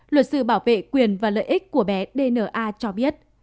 luật sư bảo vệ quyền và lợi ích của bé dna cho biết